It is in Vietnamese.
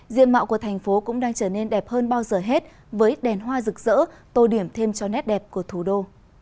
diện mạo của thành phố cũng đang trở nên đẹp hơn bao giờ hết với đèn hoa rực rỡ tô điểm thêm cho nét đẹp của thủ đô